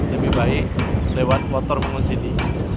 lebih baik lewat motor mengunjung sini